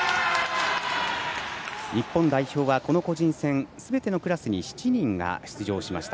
日本代表は個人戦すべてのクラスに７人が出場しました。